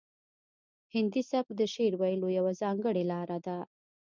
هندي سبک د شعر ویلو یوه ځانګړې لار ده